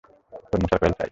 তোর মশার কয়েল চাই!